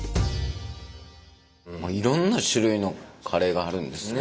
いろんな種類のカレーがあるんですね。